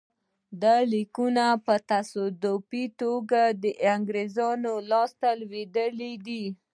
دا لیکونه په تصادفي توګه د انګرېزانو لاسته لوېدلي دي.